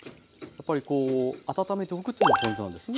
やっぱりこう温めておくというのがポイントなんですね。